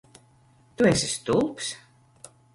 Tu esi stulbs?